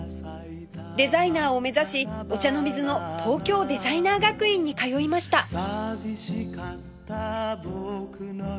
デザイナーを目指し御茶ノ水の東京デザイナー学院に通いました